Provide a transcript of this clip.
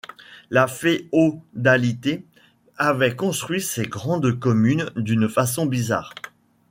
La féodalité avait construit ces grandes communes d’une façon bizarre.